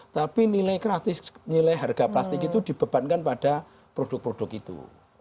tapi nilai gratis nilai harga plastik itu dibebankan pada produk produk itu